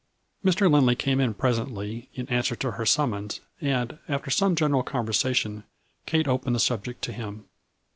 Mr. Lindley came in presently in answer to her summons, and, after some general conversa tion, Kate opened the subject to him.